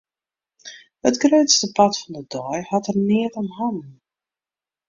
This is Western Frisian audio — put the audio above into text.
It grutste part fan de dei hat er neat om hannen.